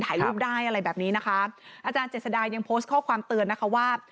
ถ่ายรูปได้อะไรแบบนี้นะคะอาจารย์เจษดายังโพสต์ข้อความเตือนนะคะว่า